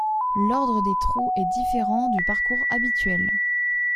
L'ordre des trous est différent du parcours habituel.